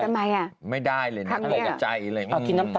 ทำไมอะไม่ได้เลยนะ